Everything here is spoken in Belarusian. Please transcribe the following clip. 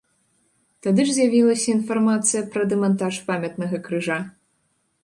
Тады ж з'явілася інфармацыя пра дэмантаж памятнага крыжа.